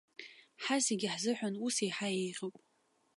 Ҳазегьы ҳзыҳәан ус еиҳа еиӷьуп.